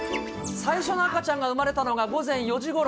最初の赤ちゃんが生まれたのが午前４時ごろ。